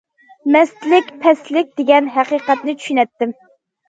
« مەستلىك— پەسلىك» دېگەن ھەقىقەتنى چۈشىنەتتىم.